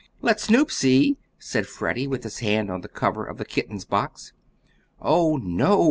"Let Snoop see!" said Freddie, with his hand on the cover of the kitten's box. "Oh, no!"